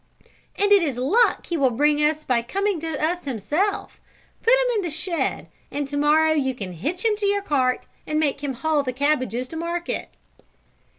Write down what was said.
And it is luck he will bring us by coming to us himself. Put him in the shed, and to morrow you can hitch him to your cart and make him haul the cabbages to market."